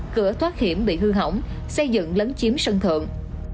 cửa thoát hiểm bị hư hỏng xây dựng lấn chiếm sân thượng